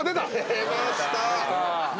出ました。